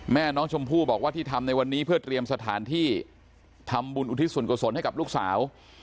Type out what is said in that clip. แม่น้องชมพู่บอกว่าที่ทำในวันนี้เพื่อเตรียมสถานที่ทำบุญอุทิศส่วนกุศลให้กับลูกสาว